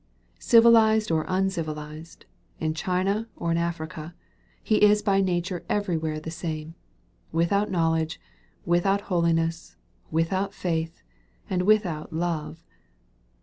Civilized or uncivilized, in China, or in Africa, he is by nature everywhere the same, without knowledge, without holiness, without faith, and without love.